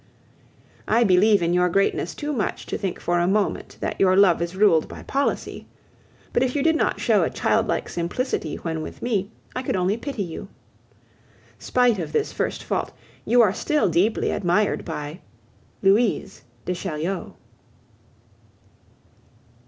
I believe in your greatness too much to think for a moment that your love is ruled by policy; but if you did not show a childlike simplicity when with me, I could only pity you. Spite of this first fault, you are still deeply admired by LOUISE DE CHAULIEU.